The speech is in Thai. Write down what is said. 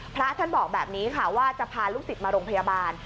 พระท่านบอกแบบนี้ค่ะว่าจะพาลูกศิษย์มาโรงพยาบาล